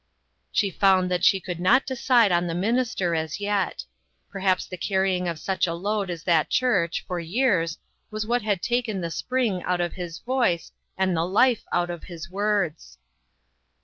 She found that she could not decide on the minister as yet. Perhaps the carrying of such a load as that church, for years, was what had taken the spring out of his voice and the life out of his words.